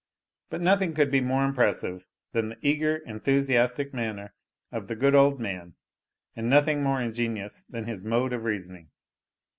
But nothing could be more impressive than the eager enthusiastic manner of the good old man, and nothing more ingenious than his mode of reasoning.